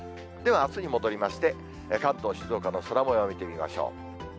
ではあすに戻りまして、関東、静岡の空もよう見てみましょう。